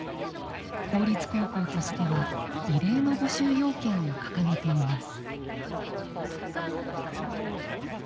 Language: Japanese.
公立高校としては異例の募集要件を掲げています。